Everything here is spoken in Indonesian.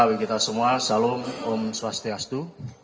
bagi kita semua salam om swastiastu